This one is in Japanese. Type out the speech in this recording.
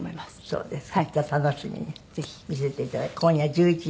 そうですか。